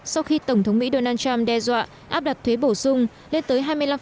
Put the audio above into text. sau khi tổng thống mỹ donald trump đe dọa áp đặt thuế bổ sung lên tới hai mươi năm